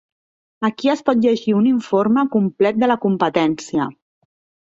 Aquí es pot llegir un informe complet de la competència.